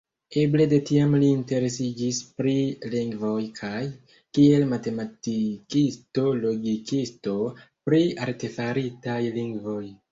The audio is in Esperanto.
Eble de tiam li interesiĝis pri lingvoj kaj, kiel matematikisto-logikisto, pri artefaritaj lingvoj.